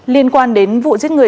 liên quan đến vụ giết người